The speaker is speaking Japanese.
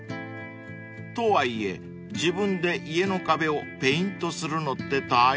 ［とはいえ自分で家の壁をペイントするのって大変そう］